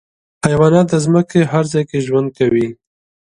حیوانات د ځمکې هر ځای کې ژوند کوي.